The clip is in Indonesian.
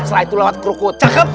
setelah itu lewat kerukut cakap